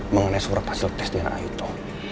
mengenai surat hasil tes dna itu